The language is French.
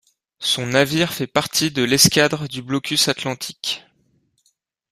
Son navire fait partie de l'escadre du blocus atlantique.